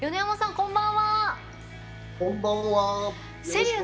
こんばんは。